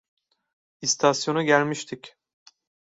İstasyona gelmiştik.